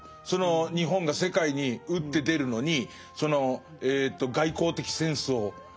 日本が世界に打って出るのに外交的センスを持っている人間が。